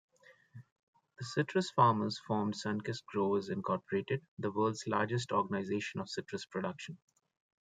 The citrus farmers formed Sunkist Growers, Incorporated, the world's largest organization of citrus production.